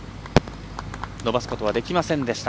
伸ばすことはできませんでした。